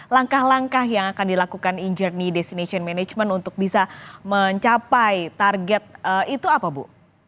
langkah langkah yang akan dilakukan injourney destination management untuk bisa mencapai target itu apa bu